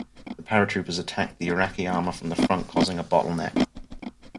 The paratroopers attacked the Iraqi armor from the front causing a bottleneck.